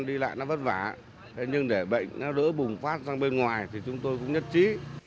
đi lại nó vất vả thế nhưng để bệnh nó đỡ bùng phát sang bên ngoài thì chúng tôi cũng nhất trí